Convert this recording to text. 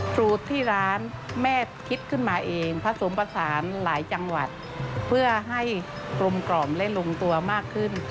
สูตรที่ร้านแม่คิดขึ้นมาเองผสมผสานหลายจังหวัดเพื่อให้กลมกล่อมและลงตัวมากขึ้น